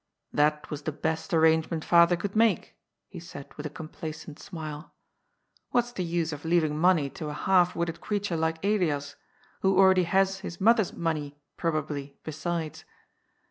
*' That was the best arrangement father could make," he said with a complacent smile. " What's the use of leaving money to a half witted creature like Elias, who already has his mother's money probably, besides